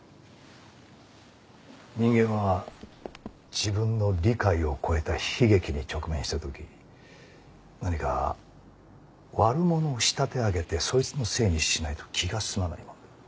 人間は自分の理解を超えた悲劇に直面した時何か悪者を仕立て上げてそいつのせいにしないと気が済まないもんだ。